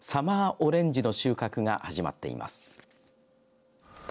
オレンジの収穫が始まっています。